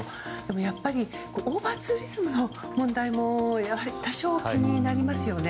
やっぱりオーバーツーリズムの問題も多少、気になりますよね。